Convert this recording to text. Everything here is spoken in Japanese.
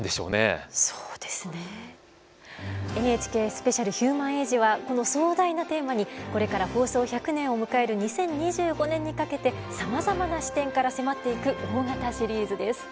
ＮＨＫスペシャル「ヒューマン・エイジ」はこの壮大なテーマにこれから放送１００年を迎える２０２５年にかけてさまざまな視点から迫っていく大型シリーズです。